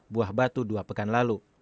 buah batu dua pekan lalu